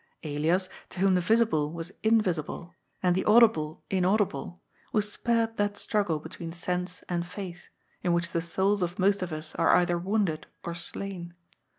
Elias, to whom the visible was invisible and the audible inaudible, was spared that struggle between sense and faith, in which the souls of most of us are either wounded or slain.